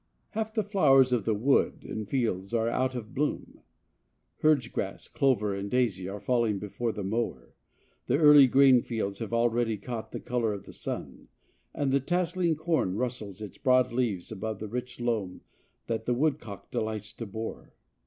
Half the flowers of wood and fields are out of bloom. Herdsgrass, clover and daisy are falling before the mower. The early grain fields have already caught the color of the sun, and the tasseling corn rustles its broad leaves above the rich loam that the woodcock delights to bore.